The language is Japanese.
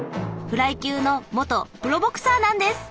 フライ級の元プロボクサーなんです！